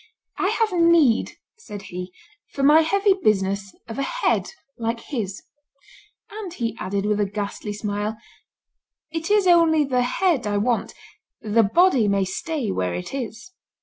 "I have need," said he, "for my heavy business, of a head like his;" and he added, with a ghastly smile, "it is only the head I want; the body may stay where it is."